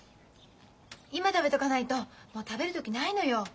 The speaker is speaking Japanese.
今食べとかないともう食べる時ないのよ。